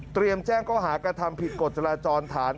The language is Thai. เตรียมแจ้งเข้าหากฏธรรมผิดกฎจราจรฐาน